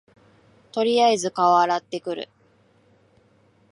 とりあえず顔洗ってくる